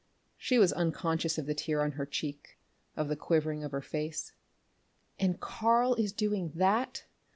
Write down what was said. She was unconscious of the tear on her cheek, of the quivering of her face. "And Karl is doing that?